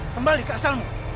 kembali ke asalmu